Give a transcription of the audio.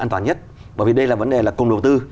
an toàn nhất bởi vì đây là vấn đề là cùng đầu tư